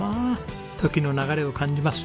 時の流れを感じます。